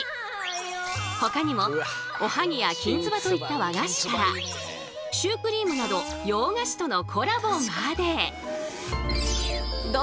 ほかにもおはぎやきんつばといった和菓子からシュークリームなど洋菓子とのコラボまで。